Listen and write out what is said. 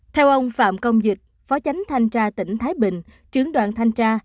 theo ông phạm công dịch phó chánh thanh cha tỉnh thái bình